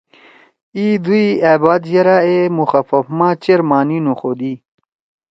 ای دئی أ بات یرأ اے مخفف ما چیر معنی نوخودی۔